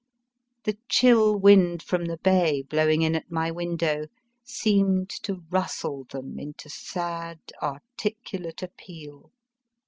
The chill wind from the Bay blowing in at my window seemed to rustle them into sad articulate appeal.